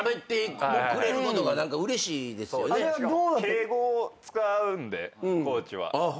敬語を使うんでコーチは。